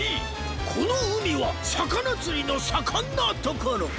このうみはサカナつりのさかんなところ！